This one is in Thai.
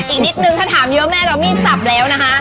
อีกนิดนึงถ้าถามเยอะแม่จะไม่จับแล้ว